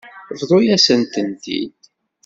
Bḍu-yasent-t-id.